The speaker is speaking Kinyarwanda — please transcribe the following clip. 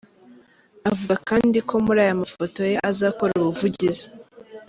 Avuga kandi ko muri aya mafoto ye azakora ubuvugizi.